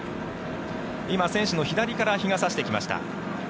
今、選手の左から日が差してきました。